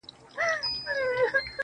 رب دي سپوږمۍ كه چي رڼا دي ووينمه,